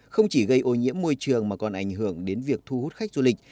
không chỉ gây ô nhiễm môi trường mà còn ảnh hưởng đến việc thu hút khách du lịch